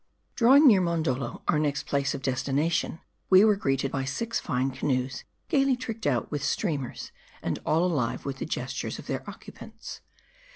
DRAWING near Mondoldo, our next place of destination, we were greeted by six fine canoes, gayly tricked out with streamers, and all alive with the gestures of their occupants.